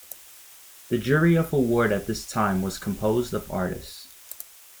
The jury of award at this time was composed of artists.